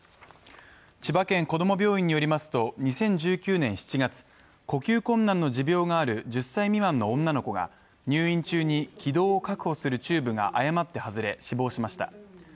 千葉県こども病院によりますと２０１９年７月呼吸困難の持病がある１０歳未満の女の子が入院中に気道を確保するチューブが誤って外れ死亡しました。